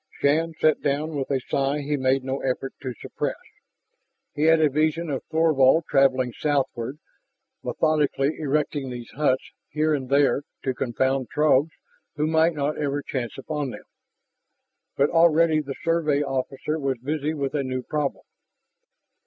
Shann sat down with a sigh he made no effort to suppress. He had a vision of Thorvald traveling southward, methodically erecting these huts here and there to confound Throgs who might not ever chance upon them. But already the Survey officer was busy with a new problem.